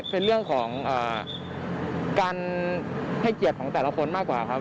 เป็นเรื่องของการให้เกียรติของแต่ละคนมากกว่าครับ